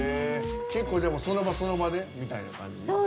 その場その場でみたいな感じ？